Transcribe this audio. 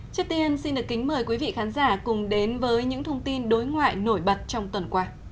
trước tiên xin được kính mời quý vị khán giả cùng đến với những thông tin đối ngoại nổi bật trong tuần qua